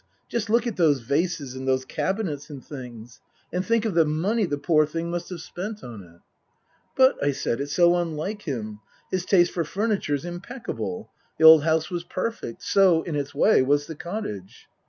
Just look at those vases and those cabinets and things. And think of the money the poor thing must have spent on it !"" But," I said, " it's so unlike him. His taste for furni ture's impeccable. The old house was perfect. So, in its way, was the cottage."